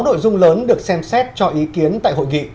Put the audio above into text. sáu nội dung lớn được xem xét cho ý kiến tại hội nghị